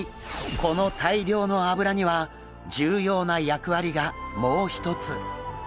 この大量の脂には重要な役割がもう一つ。